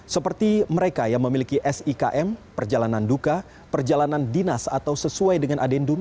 seperti mereka yang memiliki sikm perjalanan duka perjalanan dinas atau sesuai dengan adendun